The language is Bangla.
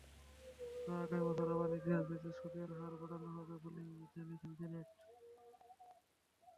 তবে আগামী বছর আবার নীতিনির্ধারণী সুদের হার বাড়ানো হবে বলে ইঙ্গিত দিয়েছেন জ্যানেট।